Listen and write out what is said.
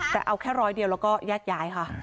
แต่เอาแค่ร้อยเดียวแล้วก็แยกย้ายค่ะ